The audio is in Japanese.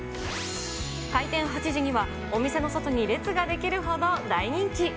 開店８時にはお店の外に列が出来るほど大人気。